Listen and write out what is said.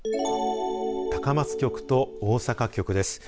高松局と大阪局です。